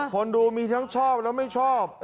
คนดูมีทั้งชอบและไม่ชอบ